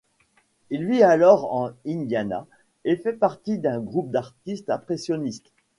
Il vit alors en Indiana et fait partie d'un groupe d'artistes impressionnistes.